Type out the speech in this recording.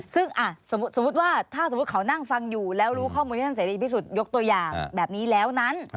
ซึ่งหากเขานั่งฟังและรู้ข้อมูลแล้วแบบนี้แล้วนั้น